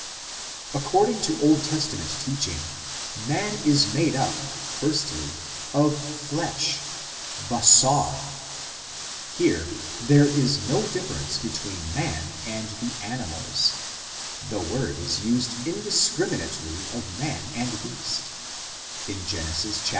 According to Old Testament teaching man is made up, firstly, of flesh (basar). Here there is no difference between man and the animals ; the word is used indiscriminately of man and beast ; in Gen. vi.